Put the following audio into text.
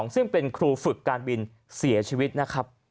ซึ่งเป็นครูฝึกการบินเสียชีวิตนะครับ